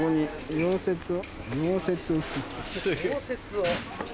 溶接を。